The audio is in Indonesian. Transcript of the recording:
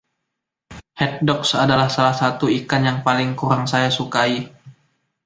Haddock adalah salah satu ikan yang paling kurang saya sukai